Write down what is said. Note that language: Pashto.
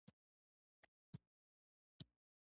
شېرګل د وخت د کموالي يادونه وکړه.